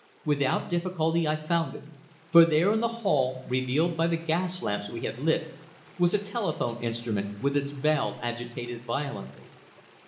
Without difficulty I found it, for there in the hall, revealed by the gas lamp we had lit, was a telephone instrument with its bell agitated violently.